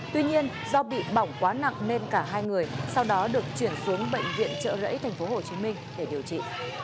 tuy nhiên do bị bỏng quá nặng nên cả hai người sau đó được chuyển xuống bệnh viện trợ rẫy tp hcm để điều trị